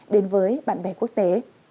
đến với bạn bè quốc tế